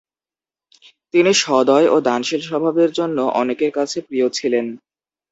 তিনি সদয় ও দানশীল স্বভাবের জন্য অনেকের কাছে প্রিয় ছিলেন।